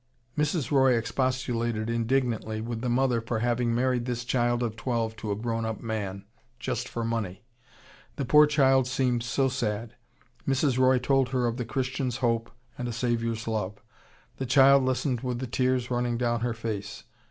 "Mrs. Roy expostulated indignantly with the mother for having married this child of twelve to a grown up man, just for money. The poor child seemed so sad. Mrs. Roy told her of the Christian's hope and a Saviour's love. The child listened with the tears running down her face.